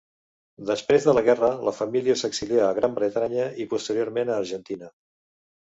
Després de la guerra la família s'exilia a Gran Bretanya i posteriorment a Argentina.